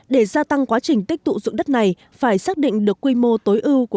để gia tăng quá trình tích tụ dụng đất này phải xác định được quy mô tối ưu của